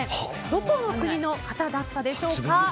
どこの国の方だったでしょうか。